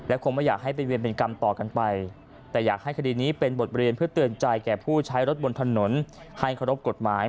อันนี้เป็นบทเรียนเพื่อเตือนใจแก่ผู้ใช้รถบนถนนให้เคารพกฎหมาย